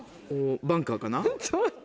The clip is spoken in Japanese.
バンカーかな？